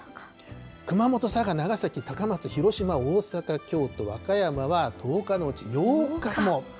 熊本、佐賀、長崎、高松、広島、大阪、京都、和歌山は１０日のうち８日も。